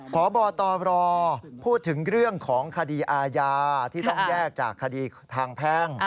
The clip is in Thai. พบตรพูดถึงเรื่องของคดีอาญาที่ต้องแยกจากคดีทางแพ่ง